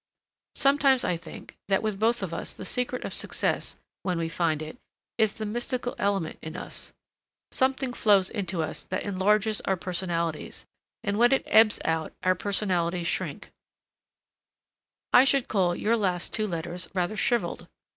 Sometimes I think that with both of us the secret of success, when we find it, is the mystical element in us: something flows into us that enlarges our personalities, and when it ebbs out our personalities shrink; I should call your last two letters rather shrivelled.